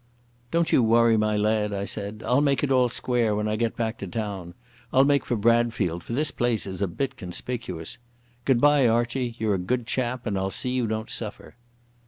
"Don't you worry, my lad," I said. "I'll make it all square when I get back to town. I'll make for Bradfield, for this place is a bit conspicuous. Goodbye, Archie. You're a good chap and I'll see you don't suffer."